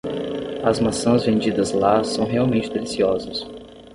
As maçãs vendidas lá são realmente deliciosas.